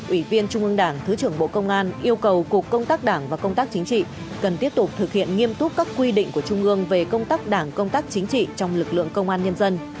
ủy viên trung ương đảng thứ trưởng bộ công an yêu cầu cục công tác đảng và công tác chính trị cần tiếp tục thực hiện nghiêm túc các quy định của trung ương về công tác đảng công tác chính trị trong lực lượng công an nhân dân